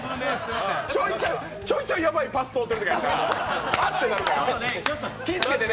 ちょいちょいヤバイパス通ってるときあるから、あってなるから、気つけてね。